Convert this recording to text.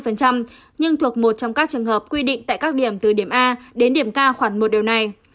nhưng thuộc một trong các trường hợp quy định tại các điểm từ điểm a đến điểm k khoảng một điều này